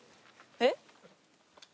えっ？